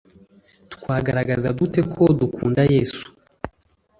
Twagaragaza dute ko dukunda Yesu